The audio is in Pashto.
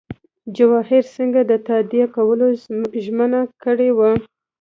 جواهر سینګه د تادیه کولو ژمنه کړې وه.